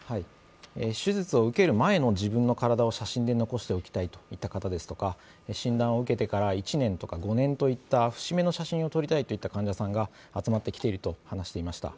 手術を受ける前の自分の体を写真で残しておきたいといった方ですとか診断を受けてから１年とか５年目といった節目の写真を撮りたいという方が集まってきていると話していました。